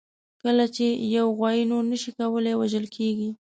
کله چې یوه غویي نور نه شي کولای، وژل کېږي.